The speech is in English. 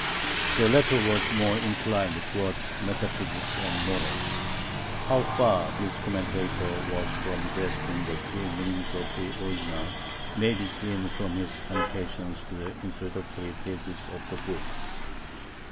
The latter was more inclined towards metaphysics and morals. How far this commentator was from grasping the true meaning of the original may be seen from his annotations to the introductory theses of the book.